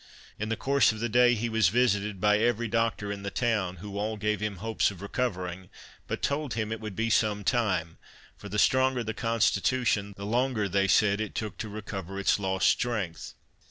In the course of the day he was visited by every doctor in the town, who all gave him hopes of recovering, but told him it would be some time, for the stronger the constitution, the longer (they said) it took to recover its lost strength.